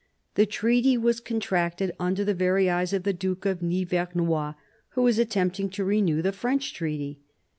. The treaty was contracted under the very eyes of the Duke of Nivernois, who was attempting to renew the French treaty.